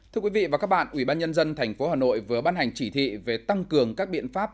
thưa quý vị và các bạn ubnd tp hcm vừa bán hành chỉ thị về tăng cường các biện pháp